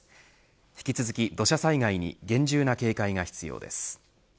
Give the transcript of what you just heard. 引き続き土砂災害に厳重な警戒が必要です。